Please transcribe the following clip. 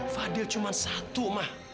fadil cuma satu mak